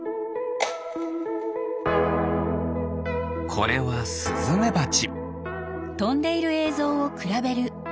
これはスズメバチ。